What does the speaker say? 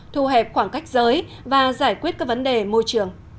thu hẹp khoảng cách giới và giải quyết các vấn đề môi trường